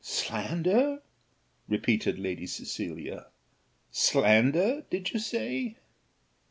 "Slander!" repeated Lady Cecilia, "slander did you say?"